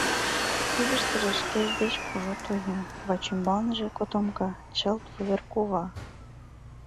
Кидыштыже шкеж деч кужу тоя, вачӱмбалныже котомка — чылт вуверкува.